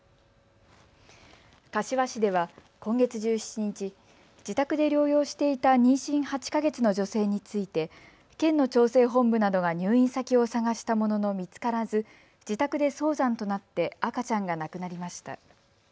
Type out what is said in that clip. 柏市では今月１７日、自宅で療養していた妊娠８か月の女性について県の調整本部などが入院先を探したものの見つからず自宅で早産となって赤ちゃんが亡くなりました。